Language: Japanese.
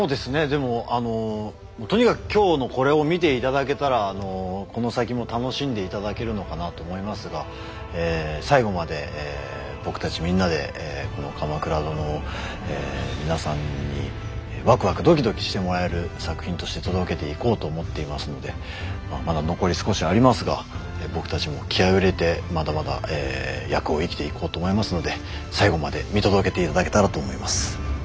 でもあのとにかく今日のこれを見ていただけたらこの先も楽しんでいただけるのかなと思いますが最後まで僕たちみんなでこの「鎌倉殿」を皆さんにワクワクドキドキしてもらえる作品として届けていこうと思っていますのでまだ残り少しありますが僕たちも気合いを入れてまだまだ役を生きていこうと思いますので最後まで見届けていただけたらと思います。